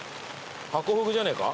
ハコフグじゃねえか？